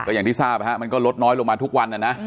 อย่างที่ทราบมันก็ลดน้อยลงมาทุกวันนะนะ